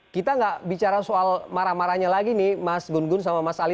kita nggak bicara soal marah marahnya lagi nih mas gun gun sama mas ali